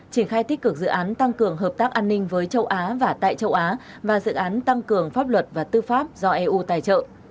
triển khai tích cực dự án tăng cường hợp tác an ninh với châu á và tại châu á và dự án tăng cường pháp luật và tư pháp do eu tài trợ